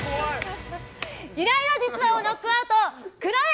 イライラ実話をノックアウトくらえ！